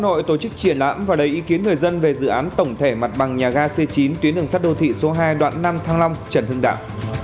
hà nội tổ chức triển lãm và lấy ý kiến người dân về dự án tổng thể mặt bằng nhà ga c chín tuyến đường sắt đô thị số hai đoạn năm thăng long trần hưng đạo